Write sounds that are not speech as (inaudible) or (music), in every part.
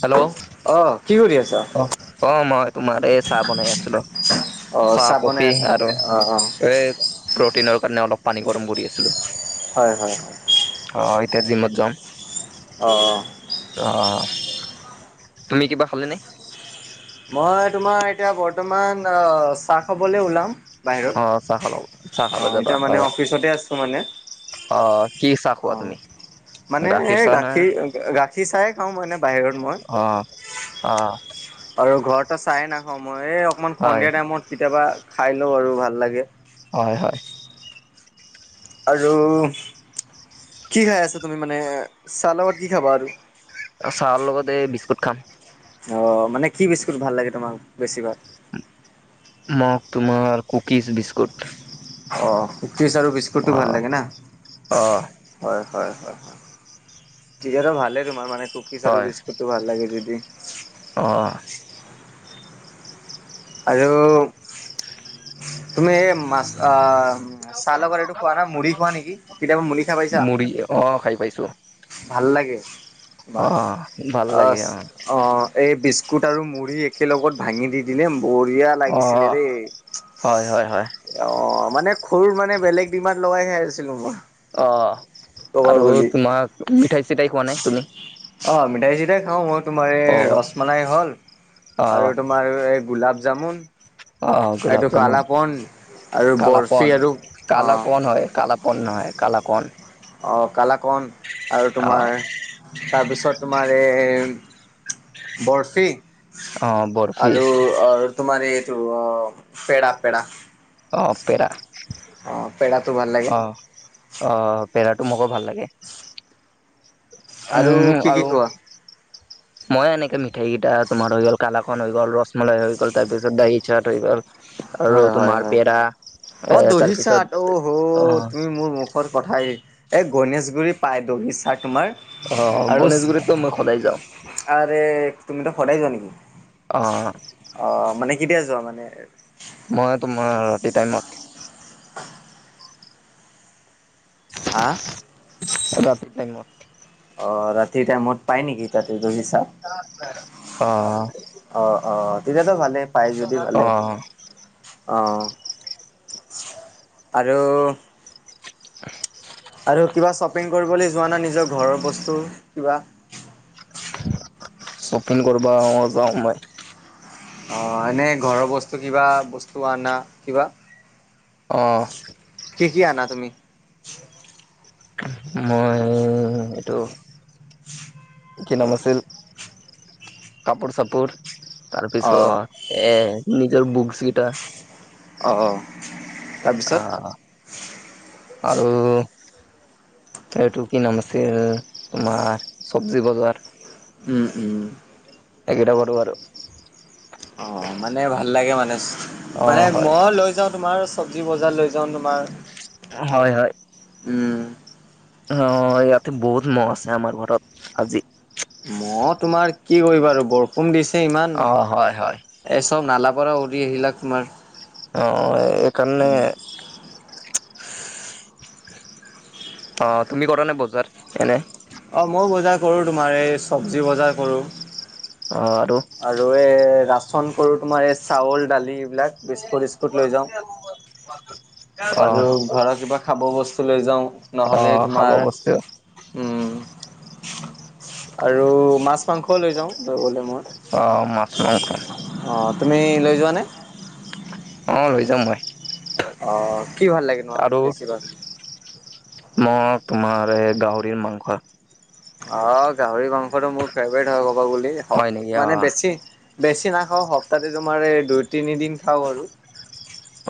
Hello! অ', কি কৰি আছা? অ', অ', মই তোমাৰ এই চাহ বনাই আছোঁ ৰহ। অ', চাহ বনাই কফি আছা আৰু নেকি? অ', অ', এই প্ৰটিনৰ কাৰণে অলপ পানী গৰম কৰি আছিলোঁ। হয়, হয়। অ', এতিয়া জিমত যাম। অ'। অ', তুমি কিবা খালানে? মই তোমাৰ এতিয়া বৰ্তমান চাহ খাবলে ওলাও। অ বাহিৰত চাহ খালো চাহ খাব অ', যাবা এতিয়া অ মানে অফিচতে আছিলোঁ মানে। অ', কি চাহ খোৱা অ'। তুমি? মানে এ, গাখীৰ চাহ না গাখীৰ, গাখীৰ চাহে খাওঁ মই এনে বাহিৰত মই। বা, অ'। আৰু ঘৰতো চাহেই নাখাওঁ, মই এই অকনমান হয় সন্ধিয়া টাইমত কেতিয়াবা খাই লওঁ আৰু ভাল লাগে। হয়, হয়। আৰু কি খাই আছা তুমি মানে চাহ লগত কি খাবা আৰু? চাহৰ লগত এই বিস্কুট খাম। অ', মানে কি বিস্কুট ভাল লাগে তোমাক বেছিভাগ? মগ তোমাৰ কুকিজ বিস্কুট। অ', কুকিজ আৰু অ বিস্কুতটো ভাল লাগে না? অ হয়, হয়, হয়, হয়। (unintelligible) ভালে তোমাৰ মানে কুকিজ আৰু হয় বিস্কুট ভাল লাগে যদি অ'। আৰু তুমি এই মাছ আ, চা লগত এইটো খোৱা না মুড়ি খোৱা নেকি? কেতিয়াবা মুড়ি খাই পাইছা মুড়ি অ', খাই পাইছো। ভাল লাগে অ বাৰ ভাল অ', লাগে অ এই বিস্কুট আৰু মুড়ি একেলগত ভাঙি দি দিলে বঢ়িয়া অ লাগিছিলে দেই। হয় হয় হয় অ', মানে খুৰ মানে বেলেগ ডিমাগ লগাই খাই আছিলোঁ মই। অ', ক'ব আৰু গ'লি তোমাক মিঠাই চিঠাই খোৱা নাই তুমি? অ', মিঠাই চিঠাই খাওঁ মই তোমাৰ এই অ', ৰচমলাই হ'ল অ', আৰু তোমাৰ এই গোলাপ যামোন অ', গোলাপ জামুন আৰু বৰফি কালাপন, আৰু অ', কালাকন হয়। কালাপন নহয় কালাকন। অ', কালাকন আৰু অ', তোমাৰ তাৰপিছত তোমাৰ এই বৰফি অ', বৰফি আৰু তোমাৰ এইটো অ', পেৰা পেৰা। অ', পেৰা। অ', পেৰাটো ভাল লাগে। অ', অ', পেৰাটো মোকো ভাল লাগে। আৰু উম, কি কি আৰু খোৱা? মই এনেকে মিঠাইকেইটা তোমাৰ হৈ গ'ল, কালাকন হৈ গ'ল, ৰসমলাই হৈ গ'ল, তাৰপিছত দাহি চাট হৈ গ'ল আৰু হয় - হয় তোমাৰ - হয়, পেৰা এ অ', দহি তাৰপিছত চাট অ, হ, অ', তুমি মোৰ মুখ মুখৰ কথা, এই গণেশগুৰি পাই দহি ছাট তোমাৰ অ', আৰু গণেশগুৰিতটো মই সদায় যাওঁ। আৰে তুমি ত' সদাই যোৱা নেকি? অ', অ', মানে কেতিয়া যোৱা মানে মই তোমাৰ ৰাতি টাইমত হাঁ? ৰাতি টাইমত অ', ৰাতিৰ টাইমত পায় নেকি তাতে দহি চাহ? অ', অ', অ', অ', তেতিয়াতো ভালে পাই যদি ভালে। অ'। অ', আৰু (inaudible) আৰু কিবা শ্বপিং কৰিবলৈ যোৱা না নিজৰ ঘৰৰ বস্তু কিবা? শ্বপিং কৰিবা অ', যাওঁ মই। অ', এনেই ঘৰৰ বস্তু কিবা বস্তু আনা কিবা? অ', কি কি আনা তুমি? মই এইটো কি নাম আছিল কাপোৰ চাপোৰ অ', তাৰপিছত এ নিজৰ বুকচ্ গিটা অ', তাৰপিছত? অ', আৰু এইটো কি নাম আছিল তোমাৰ চব্জি বজাৰ উম, উম, এইকেইটা কৰোঁ আৰু অ', মানে ভাল লাগে মানে, অ মানে হয় মই লৈ যাওঁ তোমাৰ চবজি বজাৰ লৈ যাওঁ তোমাৰ হয়, হয়। উম, অ', ইয়াতে বহুত মহ আছে আমাৰ ঘৰত আজি। মহ তোমাৰ কি কৰিবা আৰু বৰষুণ দিছে ইমান। অ হয় হয় এই চব নালা পৰা উৰি আহিলে তোমাৰ। অ', অ', এইকাৰণে অ', তুমি কৰা নে বজাৰ এনে? অ', মও বজাৰ কৰোঁ তোমাৰ এই চবজি বজাৰ কৰোঁ। অ', আৰু? আৰু এই ৰাচন কৰোঁ তোমাৰ এই চাউল দালি এইবিলাক বিছ (unintelligible) স্কুট লৈ যাওঁ অ আৰু ঘৰত কিবা খাব বস্তু লৈ যাওঁ। অ নহ'লে খাব তোমাৰ বস্তু উম। আৰু মাছ মাংসও লৈ যাওঁ, (unintelligible) গ'লে মই। অ', মাছ-মাংস। অ', তুমি লৈ যোৱানে? অ', লৈ যাওঁ মই। অ', কি ভাল লাগে (unintelligible) বেছিভাগ? মই তোমাৰ এই গাহৰিৰ মাংস। অ', গাহৰি মাংসটো মোৰ ফেভৰেট হয়, ক'ব বুলি হয় নেকি মানে অ', বেছি বেছি নাখাওঁ, সপ্তাহতে তোমাৰ এই দুই তিনিদিন খাও আৰু।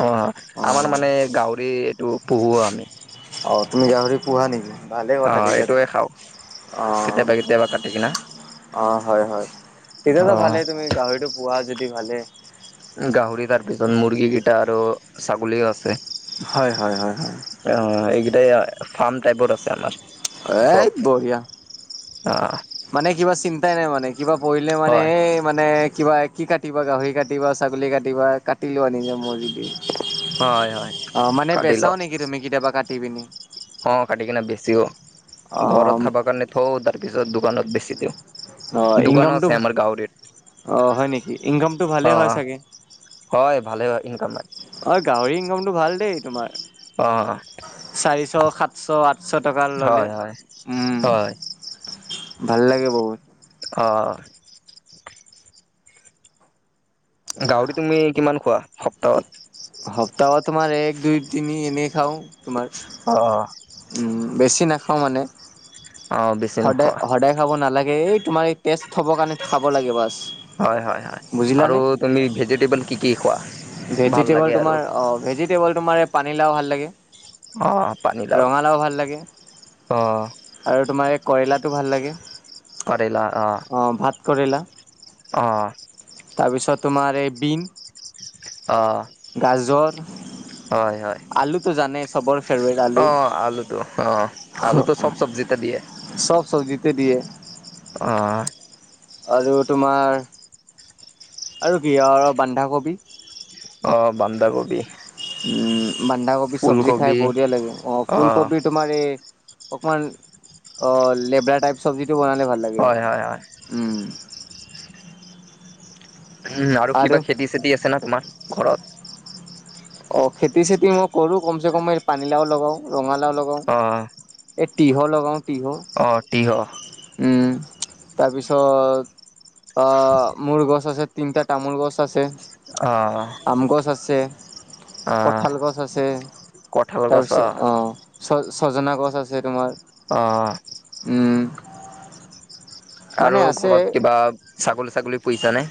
অ', আমাৰ মানে গাহৰি এইটো পুহো আমি। অ', তুমি গাহৰি পোহা নেকি? ভালেই কথা অ', ঠিক আছে এইটোৱে খাওঁ অ'। কেতিয়াবা কেতিয়াবা কাটি কিনা অ', হয়, হয়। তেতিয়াতো অ', ভালে তুমি গাহৰিটো পোহা যদি ভালে। গাহৰি তাৰপিছত মুৰ্গী কিটা আৰু ছাগলীও আছে। হয়, হয়, হয়, হয়। অ', এইকিটা এইয়াই ফাৰ্ম টাইপত আছে আমাৰ। চব এ, বঢ়িয়া। (inaudible) মানে কিবা চিন্তাই নাই মানে, কিবা পঢ়িলে মানে হয়, এ মানে কিবা কি কাটিবা গাহৰি কাটিবা, ছাগলী কাটিবা, কাটি লোৱা নিজৰ মৰ্জিদি। হয়, হয়, অ', মানে কাটি বেচাও লওঁ নেকি, তুমি কেতিয়াবা কাটি পিনি? অ', কাটি কিনে বেচিও। ঘৰত অ', খাব কাৰণে থওঁ তাৰপিছত দোকানত বেছি দিওঁ। অ', দোকানো ইনকামটো আছে আমাৰ গাহৰিৰ অ', হয় নেকি? ইনকামটো ভালে হয়, অ', চাগে! হয়, ভালে হয়, ইনকামাই। অ', গাহৰি ইনকামটো ভাল দেই তোমাৰ। অহ। চাৰিশ, সাতশ, আঠশ টকা ল'লে হয়, হয়, উম। হয়, ভাল লাগে বহুত। অ'। গাহৰি তুমি কিমান খোৱা সপ্তাহত? সপ্তাহত তোমাৰ এক দুই তিনি এনেই খাওঁ তোমাৰ। অ', অ'। উম, বেছি নাখাওঁ মানে অ বেছি সদায়, নোখোৱা সদায় খাব নালাগে এই তোমাৰ এই টেষ্ট হ'ব কাৰণে খাব লাগে বাচ। হয়, হয়, হয়, আৰু তুমি ভেজিটেবল কি, কি খোৱা? ভাল ভেজিটবল লাগে আৰু তোমাৰ অ', ভেজিটেবল তোমাৰ পানীলাও ভাল লাগে। অ পানীলাও ৰঙালাও ভাল লাগে। অ'। আৰু তোমাৰ এই কইলাটো ভাল লাগে। কৰিলা অ' অ', ভাত কৰেলা? অ' তাৰপিছত তোমাৰ এই বিন অ'। গাজৰ হয় হয়। আলুটো জানাই, চবৰ ফেভ অ', আলুটো অ', আলুটো চব চব্জিতে দিয়ে। চব চব্জিতে দিয়ে। অ' আৰু তোমাৰ, আৰু কি আৰু বন্ধাকবি অ', বন্ধাকবি। উম, বন্ধাকবি চব্জি খাই বঢ়িয়া লাগে, অ' ফুলকবিত তোমাৰ এই অকণমান, অ' লেবৰা টাইপ চব্জিটো বনালে ভাল লাগে হয় মোৰ। হয় হয় উম। উম, আৰু কিবা খেতি-চেতি আছে নে তোমাৰ ঘৰত? অ', খেতি-চেতি মই কৰোঁ, কমচে কম পানীলাও লগাওঁ, ৰঙালাও লগাওঁ। অ' এই তিহু লগাওঁ, তিহু অ', তিহু উম, তাৰপিছত অ', মূল গছ আছে, তিনিটা তামোল গছ আছে, অ আম গছ আছে অ কঠাল গছ আছে, কঠাল গছ তাৰপিছত অ' ছ-ছজনা গছ আছে তোমাৰ। অ' উম। আৰু মানে আছে ঘৰত কিবা ছাগলী-ছাগলী পুহিছা নে?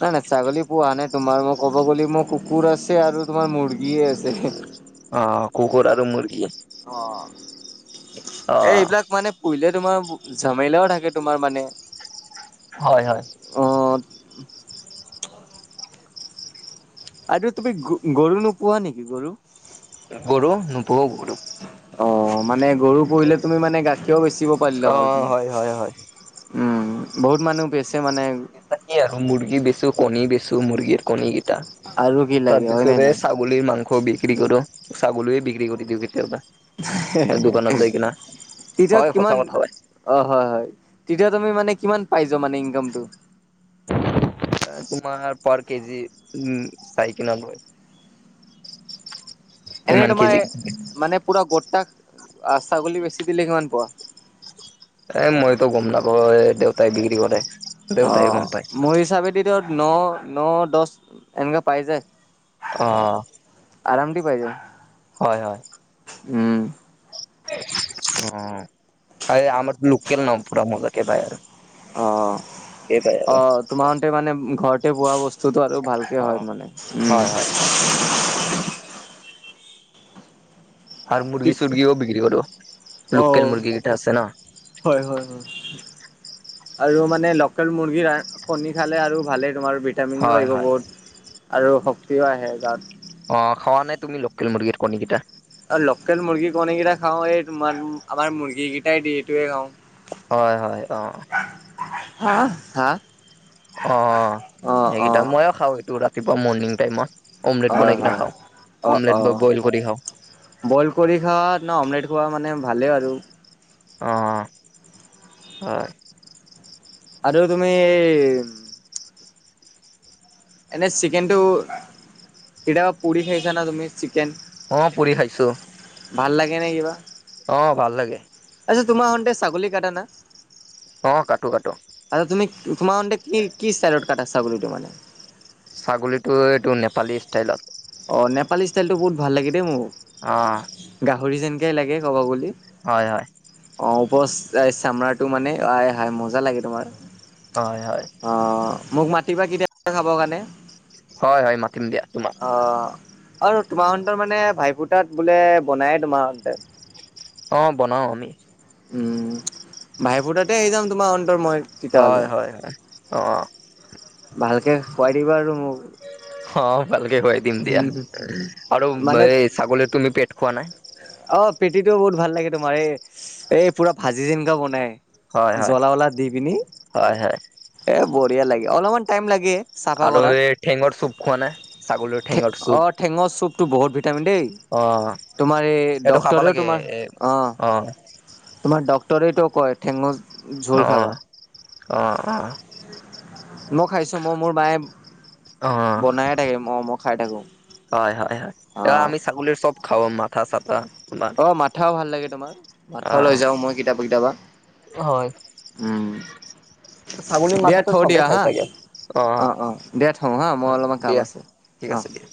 নাই নাই ছাগলী পুহা নাই, তোমাৰ মই ক'ব গ'লে মোৰ কুকুৰ আছে আৰু তোমাৰ মুৰ্গীয়ে আছে। অ', কুকুৰ আৰু মুৰ্গী অ', এই অ' এইবিলাক মানে পুহিলে তোমাৰ, ঝামেলাও থাকে তোমাৰ মানে হয় হয়। অ আৰু তুমি গ-গৰু নুপুহা নেকি, গৰু? গৰু, নুপুহো গৰু। অ', মানে গৰু পুহিলে তুমি মানে গাখীৰো বেচিব পাৰিলা হয় অ' তুমি। হয় হয়। উম, বহুত মানুহ বেচে মানে কি আৰু মুৰ্গী বেচো, কণী বেচো, মুৰ্গীৰ কণী কেইটা, আৰু কি তাৰ লাগে হয় নে পিছতে চাও নহয়? ছাগলীৰ মাংস বিক্ৰী কৰোঁ, ছাগলীয়ে বিক্ৰী কৰি দিওঁ কেতিয়াবা। দোকানত যায় কিনা, তেতিয়া হয় কিমান সঁচা কথা হয়। অ', হয় হয়, তেতিয়া তুমি মানে কিমান পাই যোৱা মানে ইনকামটো? তোমাৰ পাৰ কেজি, উম, চাৰি কিমান হয়। এনে তোমাৰ, মানে পুৰা গোটাক ছাগলী বেচি দিলে কিমান পোৱা? এ মইতো গম নাপাওঁৱে, দেউতাই বিক্ৰী কৰে। দেউতাই গম অ', পায় মোৰ হিচাপেদিতো ন-ন, দহ এনেকা পাই যায়। অ' আৰাম দি পাই যায়। হয় হয়। উম। অ', এ আমাৰ লোকেল ন' পুৰা মজাকে পাই আৰু। অ', অ', তোমাৰতে মানে ঘৰতে পোৱা বস্তুটো আৰু ভালকে হয় অ' মানে উম, হয় হয় আৰু মুৰ্গী চুৰ্গীও বিক্ৰী কৰোঁ লোকেল অ' মুৰ্গী গিতা আছে ন'। হয় - হয় - হয় আৰু মানে লকেল মুৰ্গীৰ কণী খালে আৰু ভালে তোমাৰ ভিটামিনো হয় আহিব হয় বহুত আৰু শক্তিও আহে গাত। অ', খোৱা নে তুমি লকেল মুৰ্গীৰ কণীকেইটা? অ', লোকেল মুৰ্গী কণীকেইটা খাওঁ, এই তোমাৰ আমাৰ মুৰ্গী কিটাই দিয়ে এইটোৱে খাওঁ। হয় - হয়, অ', হাঁ, হাঁ অ', সেইকেইটা অ' ময়ো খাওঁ সেইটো ৰাতিপুৱা মৰ্ণিং টাইমত। অমলেট হয় বনাই কিনা হয় খাওঁ, অ' অমলেট বা অ'। বইল কৰি খাওঁ। বইল কৰি খোৱা ন' অমলেট খোৱা মানে ভালেই আৰু। অ', হয় আৰু তুমি এনেই চিকেনটো কেতিয়াবা পুৰি খাইছা না তুমি চিকেন? অ', পুৰি খাইছোঁ। ভাল লাগে নে কিবা? অ', ভাল লাগে। আচ্ছা তোমাৰ হঁতে ছাগলী কাটানা? অ', কটো, কটো। আচ্ছা তুমি তোমাৰ হঁতে কি, কি ষ্টাইলত কাটা ছাগলীটো মেনে? ছাগলীটো এইটো নেপালী ষ্টাইলত। অ', নেপালী ষ্টাইলটো বহুত ভাল লাগে দেই মোৰ। অ', গাহৰি যেনকে লাগে ক'ব গলি। হয়, হয়। অ', উপচ চামৰাটো মানে আই হাই মজা লাগে তোমাৰ। হয়, হয়। অ', মোক মাতিবা কেতিয়াবা খাবৰ কাৰণে। হয়, হয় মাতিম দিয়া তোমাক। অ', আৰু তোমাৰ হঁতৰ মানে ভাই ফুটাত বোলে বনায়ে তোমাৰ হঁতে। অ', বনাও আমি। উম, ভাই ফুটাতে আহি যাম তোমাৰ অন্তৰ মই। তেতিয়াহ'লে। হয়, হয়, হয়, অ', ভালকে খুৱাই দিবা আৰু মোক। অ', ভালকে খুৱাই দিম দিয়া, উম, আৰু মানে এই ছাগলীৰ তুমি পেট খোৱা না? অ', পেটিটো বহুত ভাল লাগে তোমাৰ এই, এই পুৰা ভাজি যেনকা বনাই। হয় হয় জলা, জলা দি পিনি হয় হয় এ বঢ়িয়া লাগে, অলপমান টাইম লাগে। চাফা আৰু কৰাত। এই ঠেঙৰ চুপ খোৱা না, ছাগলীৰ ঠেঙৰ চুপ? অ' ঠেঙৰ চুপটো বহুত ভিটামিন দেই। অ', তোমাৰ এই এইটো খাব ডক্টৰেও লাগে তোমাৰ এ অ', তোমাৰ ডক্টৰেটো কয় ঠেঙৰ অ ঝোল খাবা। অ', অ', মই খাইছোঁ, মই মোৰ মায়ে অ বনায়ে থাকে, অ, মই খাই থাকো। হয়, হয়, হয় এ অ'। আমি ছাগলীৰ চব খাওঁ মাথা, চা অ', মাথাও ভাল লাগে, তোমাৰ অ মাথা লৈ যাওঁ মই কিতায়াবা, হয় কিতায়াবা। উম, ছাগলীৰ দিয়া মাথাটো থওঁ চবেই দিয়া খাই হা, চাগে অ', অ', দিয়া থওঁ হা, অ মই অলপমান কাম দিয়া আছে। ঠিক অ আছে দিয়া।